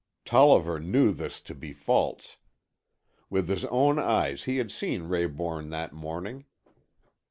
Tolliver knew this to be false. With his own eyes he had seen Rayborn that morning.